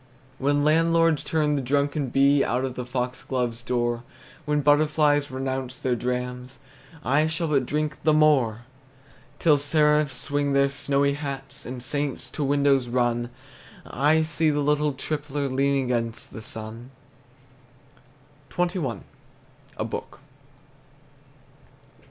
When landlords turn the drunken bee Out of the foxglove's door, When butterflies renounce their drams, I shall but drink the more! Till seraphs swing their snowy hats, And saints to windows run, To see the little tippler Leaning against the sun! XXI. A BOOK.